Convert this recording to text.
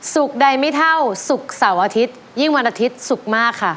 ใดไม่เท่าศุกร์เสาร์อาทิตยิ่งวันอาทิตย์สุขมากค่ะ